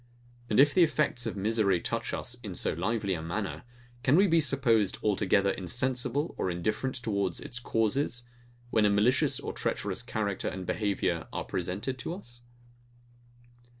And if the effects of misery touch us in so lively a manner; can we be supposed altogether insensible or indifferent towards its causes; when a malicious or treacherous character and behaviour are presented to us?